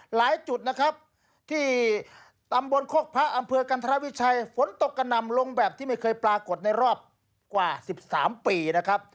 หลายจุดนะครับที่ตำบลโคกพระอำเภอกันธรวิชัยฝนตกกระหน่ำลงแบบที่ไม่เคยปรากฏในรอบกว่า๑๓ปีนะครับ